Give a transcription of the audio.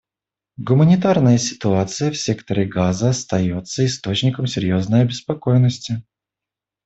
Гуманитарная ситуация в секторе Газа остается источником серьезной обеспокоенности.